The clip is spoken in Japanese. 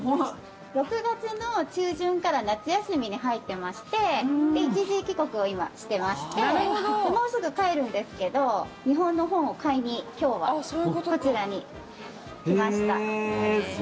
６月の中旬から夏休みに入ってまして一時帰国を今、してましてもうすぐ帰るんですけど日本の本を買いに今日はこちらに来ました。